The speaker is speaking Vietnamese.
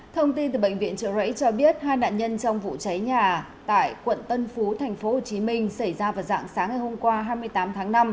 thông tin từ bệnh viện trợ rẫy cho biết hai nạn nhân trong vụ cháy nhà tại quận tân phú tp hcm xảy ra vào dạng sáng ngày hôm qua hai mươi tám tháng năm